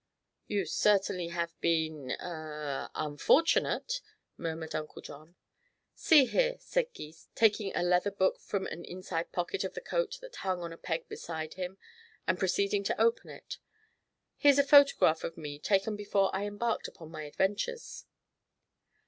"You certainly have been eh unfortunate," murmured Uncle John. "See here," said Gys, taking a leather book from an inside pocket of the coat that hung on a peg beside him, and proceeding to open it. "Here is a photograph of me, taken before I embarked upon my adventures."